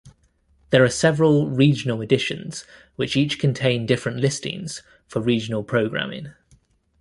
There are several regional editions, which each contain different listings for regional programming.